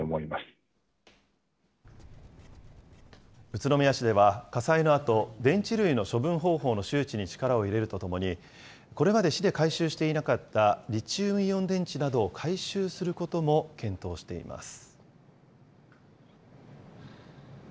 宇都宮市では、火災のあと、電池類の処分方法の周知に力を入れるとともに、これまで市で回収していなかったリチウムイオン電池などを回収することも検討しています。